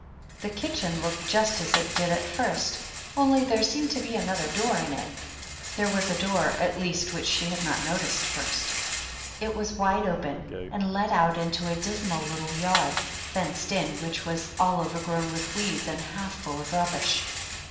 The kitchen looked just as it did at first, only there seemed to be another door in it ; there was a door, at least, which she had not noticed at first. It was wide open and led out into a dismal little yard, fenced in, which was all overgrown with weeds and half full of rub bish.